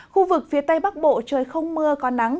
khu vực phía tây bắc bộ trời không mưa có nắng